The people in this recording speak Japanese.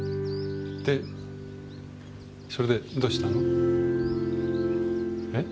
でそれでどうしたの？え？